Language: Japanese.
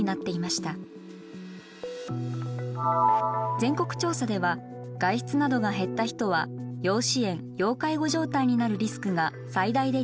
全国調査では外出などが減った人は要支援・要介護状態になるリスクが最大で２倍。